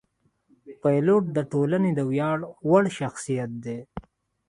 پیلوټ د ټولنې د ویاړ وړ شخصیت دی.